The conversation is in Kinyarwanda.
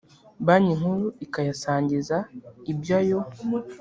banki nkuru ikayisangiza ibyo ayo